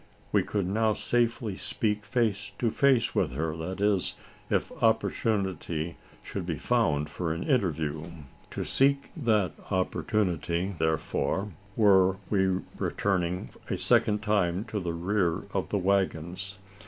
We could now safely speak face to face with her that is, if opportunity should be found for an interview. To seek that opportunity, therefore, were we returning a second time to the rear of the waggons.